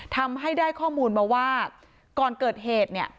ทำให้ได้ข้อมูลมาว่าก่อนเกิดเหตุเนี่ย